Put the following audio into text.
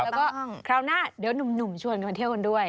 แล้วก็คราวหน้าเดี๋ยวหนุ่มชวนกันไปเที่ยวกันด้วย